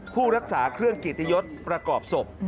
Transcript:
ผู้รักษาเครื่องกิตยศประกอบศพ